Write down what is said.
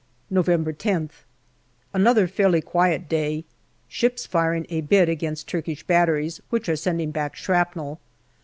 November Wth. Another fairly quiet day. Ships firing a bit against Turkish batteries, which are sending back shrapnel.